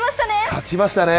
勝ちましたね。